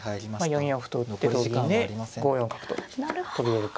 ４四歩と打って同銀で５四角と飛び出るか。